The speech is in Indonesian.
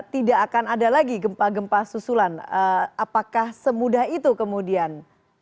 tidak akan ada lagi gempa gempa susulan apakah semudah itu kemudian